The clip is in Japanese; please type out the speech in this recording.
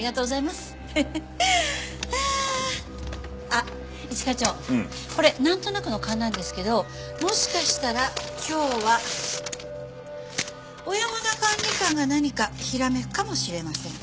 あっ一課長これなんとなくの勘なんですけどもしかしたら今日は小山田管理官が何かひらめくかもしれません。